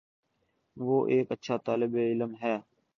وہ ایک اچھا طالب علم ہے